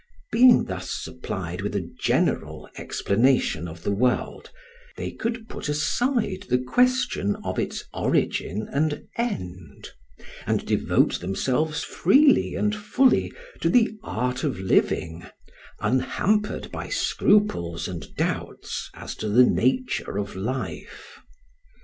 Being thus supplied with a general explanation of the world, they could put aside the question of its origin and end, and devote themselves freely and fully to the art of living, unhampered by scruples and doubts as to the nature of life.